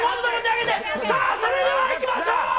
それではいきましょう！